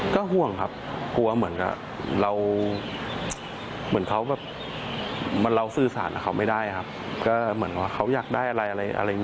ได้ฟังยังไงรู้สึกเป็นห่วง